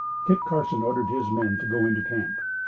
Kit Carson ordered his men to go into camp.